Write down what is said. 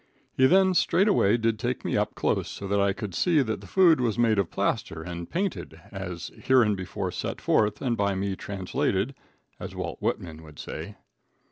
He then straightway did take me up close so that I could see that the food was made of plaster and painted, as hereinbefore set forth and by me translated, as Walt Whitman would say.